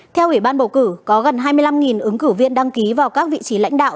theo ủy ban bầu cử có gần hai mươi năm ứng cử viên đăng ký vào các vị trí lãnh đạo